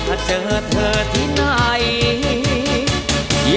ถ้าเจอเธอที่ไหน